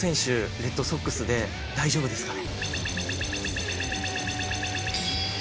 レッドソックスで大丈夫ですかね？